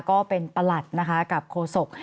ก็เป็นประหลัดนะคะกับโคศก